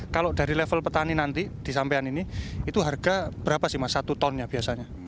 kalau dari level petani nanti disampaian ini itu harga berapa sih mas satu ton ya biasanya